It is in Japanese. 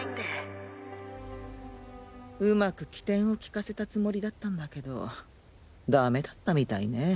現在うまく機転をきかせたつもりだったんだけどダメだったみたいね。